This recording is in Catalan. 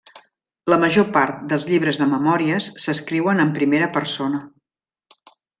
La major part dels llibres de memòries s'escriuen en primera persona.